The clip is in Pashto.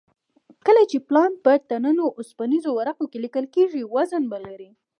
کله چې پلان په ټنونو اوسپنیزو ورقو کې لیکل کېږي وزن به لري